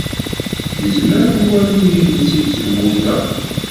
Nezmer ad nwali ilel seg tzewwut-a.